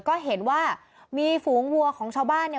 ก็เห็นว่ามีฝูงวัวของชาวบ้านเนี่ย